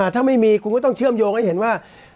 ถ้าไม่มีคุณก็ต้องเชื่อมโยงให้เห็นว่า